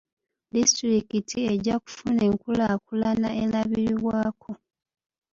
Disitulikiti ejja kufuna enkulaakulana erabirwako.